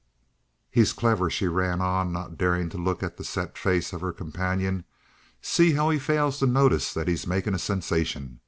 "He's clever," she ran on, not daring to look at the set face of her companion. "See how he fails to notice that he's making a sensation?